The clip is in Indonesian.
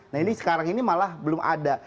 nah ini sekarang ini malah belum ada